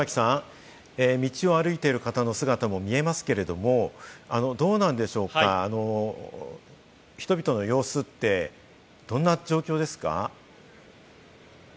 道を歩いている方の姿も見えますけれども、人々の様子ってどんな状況ですか？